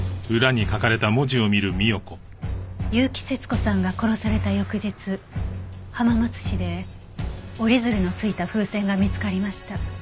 結城節子さんが殺された翌日浜松市で折り鶴のついた風船が見つかりました。